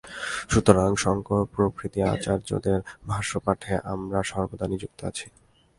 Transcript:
সুতরাং শঙ্কর প্রভৃতি আচার্যদের ভাষ্যপাঠে আমরা সর্বদা নিযুক্ত আছি।